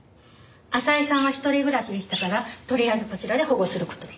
浅井さんは一人暮らしでしたからとりあえずこちらで保護する事に。